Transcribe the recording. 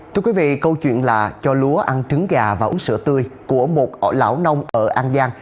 thưa quý vị câu chuyện là cho lúa ăn trứng gà và uống sữa tươi của một ở lão nông ở an giang